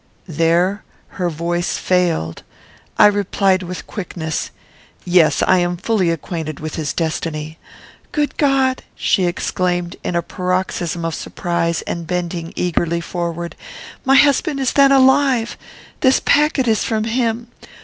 There her voice failed. I replied with quickness, "Yes. I am fully acquainted with his destiny." "Good God!" she exclaimed, in a paroxysm of surprise, and bending eagerly forward, "my husband is then alive! This packet is from him.